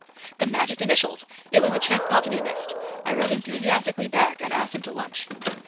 The magic initials! It was a chance not to be missed. I wrote enthusiastically back and asked him to lunch.